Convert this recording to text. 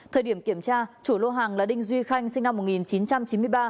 thời điểm kiểm tra chủ lô hàng là đinh duy khanh sinh năm một nghìn chín trăm chín mươi ba